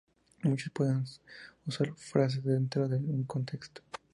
Muchos pueden usar frases dentro de un contexto.